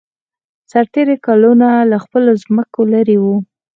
سرتېري کلونه له خپلو ځمکو لېرې وو